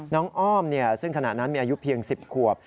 อ้อมซึ่งขณะนั้นมีอายุเพียง๑๐ขวบ